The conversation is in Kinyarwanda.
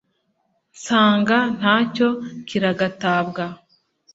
nsanga ntacyo kiragatabwa